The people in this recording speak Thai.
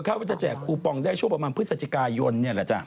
ว่าจะแจกคูปองได้ช่วงประมาณพฤศจิกายนนี่แหละจ้ะ